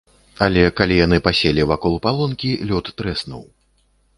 Але калі яны паселі вакол палонкі, лёд трэснуў.